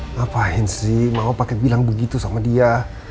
ngapain sih mama pake bilang begitu sama dia